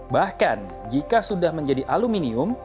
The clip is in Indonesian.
bahkan jika sudah menjadi aluminium